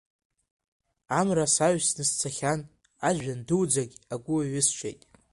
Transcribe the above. Амра саҩсны сцахьан, ажәҩан дуӡӡагь агәы еиҩысшеит.